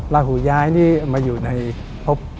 ลาหูย้ายนี่มาอยู่ในพบ